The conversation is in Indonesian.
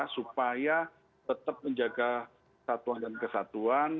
supaya tetap menjaga kesatuan dan kesatuan